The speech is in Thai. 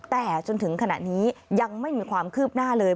แต่จนถึงขณะนี้ยังไม่มีความคืบหน้าเลย